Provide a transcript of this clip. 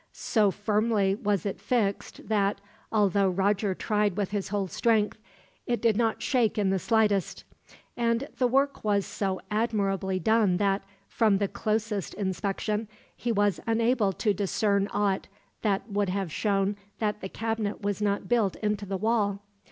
So firmly was it fixed that, although Roger tried with his whole strength, it did not shake in the slightest; and the work was so admirably done that, from the closest inspection, he was unable to discern aught that would have shown that the cabinet was not built into the wall.